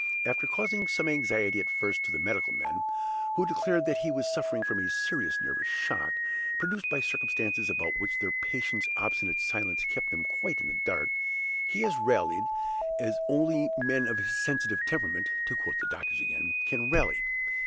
After causing some anxiety at first to the medical men (who declared that he was suffering from a serious nervous shock, produced by circumstances about which their patient's obstinate silence kept them quite in the dark), he has rallied, as only men of his sensitive temperament (to quote the doctors again) can rally.